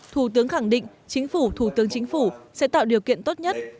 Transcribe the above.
thủ tướng khẳng định chính phủ thủ tướng chính phủ sẽ tạo điều kiện tốt nhất